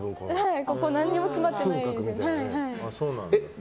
ここ何にも詰まってない。